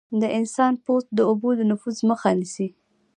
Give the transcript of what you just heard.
د انسان پوست د اوبو د نفوذ مخه نیسي.